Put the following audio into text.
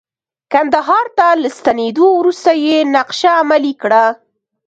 کندهار ته له ستنیدو وروسته یې نقشه عملي کړه.